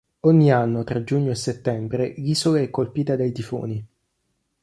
Ogni anno, tra giugno e settembre, l'isola è colpita dai tifoni.